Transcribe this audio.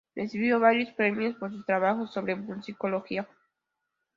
Recibió varios premios por sus trabajos sobre musicología.